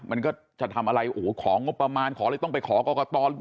มันก็จะทำอะไรของประมาณขออะไรต้องไปขอกอกต่อ